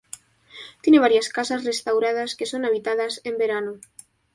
Tiene varias casas restauradas que son habitadas en verano.